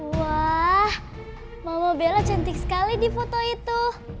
wah mama bella cantik sekali di foto itu